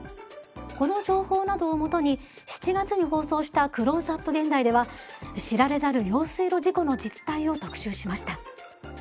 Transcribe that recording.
この情報などをもとに７月に放送した「クローズアップ現代」では知られざる用水路事故の実態を特集しました。